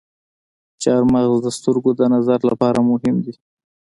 چارمغز د سترګو د نظر لپاره مهم دی.